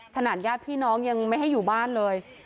ญาติพี่น้องยังไม่ให้อยู่บ้านเลย